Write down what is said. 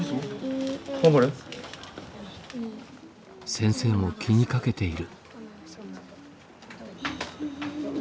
先生も気にかけている。